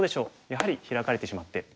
やはりヒラかれてしまって。